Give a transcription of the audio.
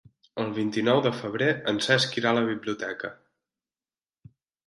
El vint-i-nou de febrer en Cesc irà a la biblioteca.